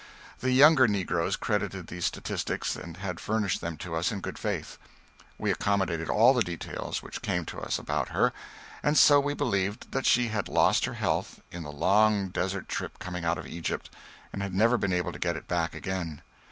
The younger negroes credited these statistics, and had furnished them to us in good faith. We accommodated all the details which came to us about her; and so we believed that she had lost her health in the long desert trip coming out of Egypt, and had never been able to get it back again.